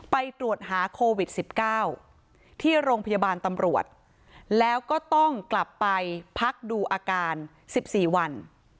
ไปตรวจหาโควิด๑๙ที่โรงพยาบาลตำรวจแล้วก็ต้องกลับไปพักดูอาการ๑๔วัน